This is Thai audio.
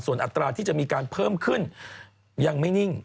ส่วนอัตราที่จะมีการเพิ่มขึ้นยังไม่นิ่ง